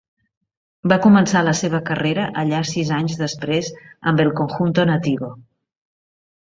Va començar la seva carrera allà sis anys després amb el Conjunto Nativo.